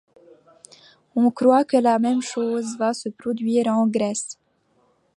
On croit que la même chose va se produire en Grèce.